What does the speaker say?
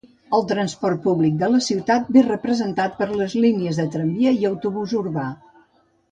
El transport públic de la ciutat ve representat per les línies de tramvia i autobús urbà.